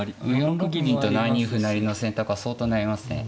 ４六銀と７二歩成の選択は相当悩みますね。